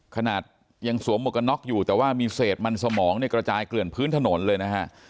ขนาดยังสวมหมวกกันน็อกอยู่แต่ว่ามีเศษมันสมองเนี่ยกระจายเกลื่อนพื้นถนนเลยนะฮะ